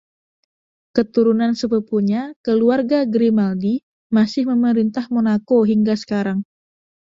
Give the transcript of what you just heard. Keturunan sepupunya, keluarga Grimaldi, masih memerintah Monako hingga sekarang.